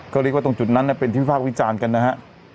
ก็เรียกว่าตรงจุดนั้นเป็นที่วิพากษ์วิจารณ์กันนะฮะ